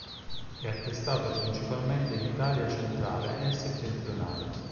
È attestato principalmente in Italia centrale e settentrionale.